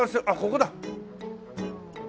ここだ。